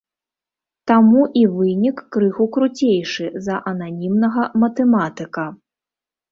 Таму і вынік крыху круцейшы за ананімнага матэматыка.